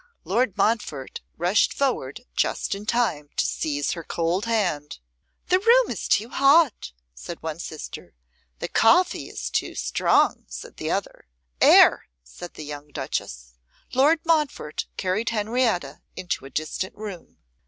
Lord Montfort rushed forward just in time to seize her cold hand. 'The room is too hot,' said one sister. 'The coffee is too strong,' said the other. 'Air,' said the young duchess. Lord Montfort carried Henrietta into a distant room.